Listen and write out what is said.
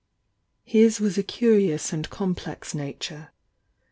His was a curious and complex nature.